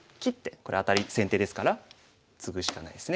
これアタリ先手ですからツグしかないですね。